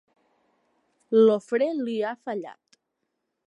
El fre li ha fallat.